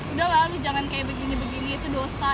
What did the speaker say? udah lah lu jangan kayak begini begini itu dosa